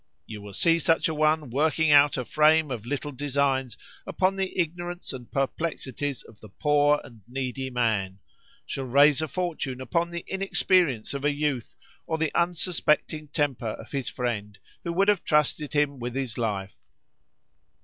——You will see such a one working out a frame of little designs upon the ignorance and perplexities of the poor and needy man;—shall raise a fortune upon the inexperience of a youth, or the unsuspecting temper of his friend, who would have trusted him with his life.